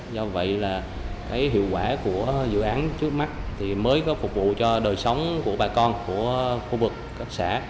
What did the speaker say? do vậy hiệu quả của dự án trước mắt mới có phục vụ cho đời sống của bà con của khu vực các xã